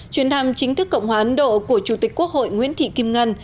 chuyến thăm chính thức cộng hòa ấn độ của chủ tịch quốc hội nguyễn thị kim ngân